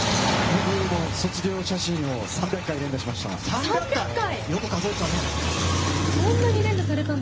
僕も「卒業写真」を３００回連打しました。